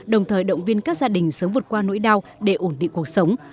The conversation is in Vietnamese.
đồng thời động viên các gia đình sớm vượt qua nỗi đau để ổn định cuộc sống